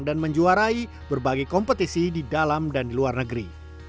dan menjuarai berbagai kompetisi di dalam dan di luar negeri